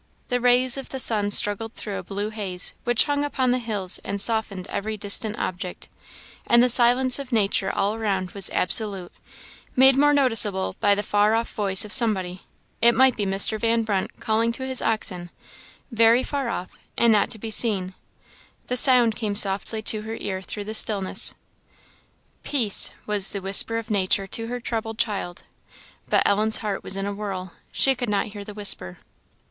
The rays of the sun struggled through a blue haze, which hung upon the hills and softened every distant object; and the silence of nature all around was absolute, made more noticeable by the far off voice of somebody, it might be Mr. Van Brunt calling to his oxen, very far off and not to be seen; the sound came softly to her ear through the stillness. "Peace," was the whisper of nature to her troubled child; but Ellen's heart was in a whirl; she could not hear the whisper.